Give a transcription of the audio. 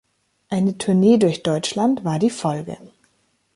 Eine Tournee durch Deutschland war die Folge.